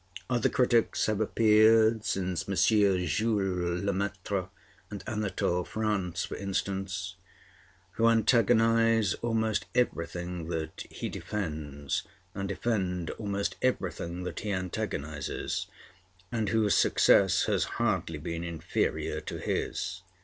Other critics have appeared since Messrs. Jules Lemaître and Anatole France, for instance, who antagonize almost everything that he defends and defend almost everything that he antagonizes, and whose success has hardly been inferior to his.